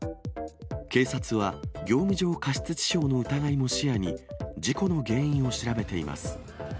警察は業務上過失致傷の疑いも視野に、事故の原因を調べています。